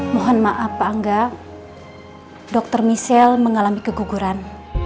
mohon maaf pak angga dr michelle mengalami keguguran